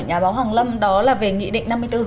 nhà báo hoàng lâm đó là về nghị định năm mươi bốn